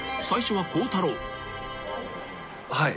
はい。